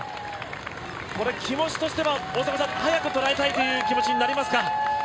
これ、気持ちとしては早く捉えたいという気持ちになりますか？